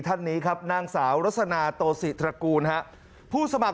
ท่านนี้ครับหน้าสาวลักษณะโตสีดรกูลผู้สมัคร